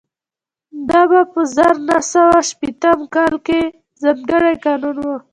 دا په زر نه سوه شپېته کال کې ځانګړی قانون و